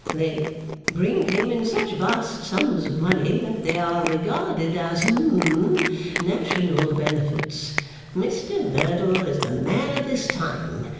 They bring him in such vast sums of money that they are regarded as hum national benefits. Mr Merdle is the man of this time.